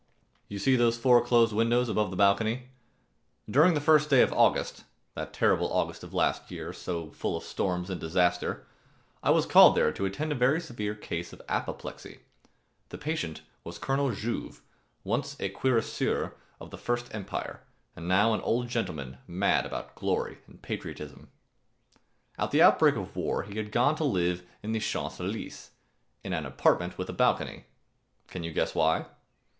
You see those four closed windows above the balcony? During the first day of August, that terrible August of last year, so full of storms and disaster, I was called there to attend a very severe case of apoplexy. The patient was Colonel Jouve, once a cuirassier of the First Empire,[266 3] and now an old gentleman mad about glory and patriotism. At the outbreak of war he had gone to live in the Champs Élysées, in an apartment with a balcony. Can you guess why?